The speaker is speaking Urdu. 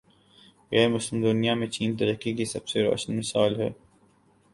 غیر مسلم دنیا میں چین ترقی کی سب سے روشن مثال ہے۔